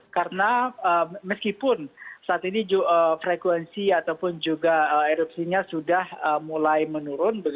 karena meskipun saat ini frekuensi ataupun juga erupsinya sudah mulai menurun